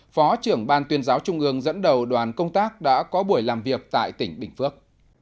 phó trưởng ban tuyên giáo trung ương dẫn đầu đoàn công tác đã có buổi làm việc tại tỉnh bình phước